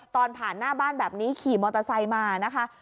ตอนผ่านหน้าบ้านแบบนี้ขี่มอเตอร์ไซค์มานะคะ